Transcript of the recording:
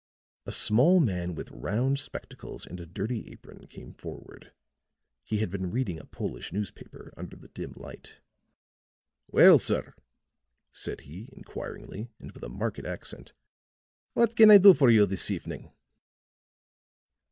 A small man with round spectacles and a dirty apron came forward; he had been reading a Polish newspaper under the dim light. "Well, sir," said he, inquiringly, and with a marked accent, "what can I do for you this evening?"